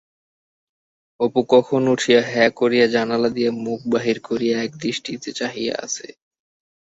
অপু কখন উঠিয়া হ্যাঁ করিয়া জানোলা দিয়া মুখ বাহির করিয়া একদৃষ্টি চাহিয়া আছে।